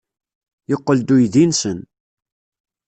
Yeqqel-d uydi-nsen.